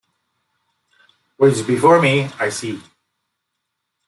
What is before me, I see.